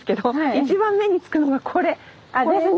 一番目につくのがこれ。